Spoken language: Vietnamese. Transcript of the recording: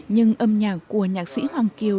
nhưng âm nhạc của nhạc sĩ hoàng kiều